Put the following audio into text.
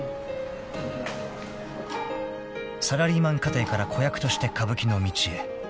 ［サラリーマン家庭から子役として歌舞伎の道へ］